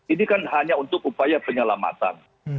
ini kan hanya untuk upaya penyelamatan